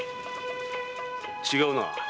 違うな。